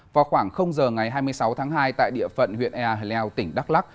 vào khoảng giờ ngày hai mươi sáu tháng hai tại địa phận huyện ea hà leo tỉnh đắk lắc